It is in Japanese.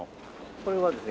これはですね